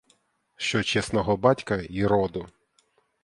Що чесного батька й роду.